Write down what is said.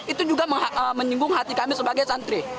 itu juga menyinggung hati kami sebagai santri